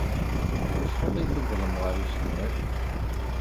Ɣef wacḥal ay tewwḍem ɣer usegnaf?